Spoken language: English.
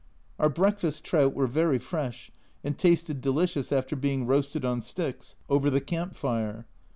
Our breakfast trout were very fresh, and tasted delicious after being roasted on sticks over the camp fire.